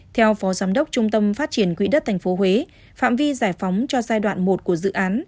theo phó giám đốc trung tâm phát triển quỹ đất tp huế phạm vi giải phóng cho giai đoạn một của dự án